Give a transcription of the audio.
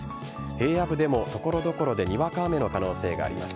平野部でも所々でにわか雨の可能性があります。